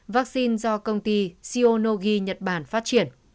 vaccine do công ty xionogi nhật bản phát triển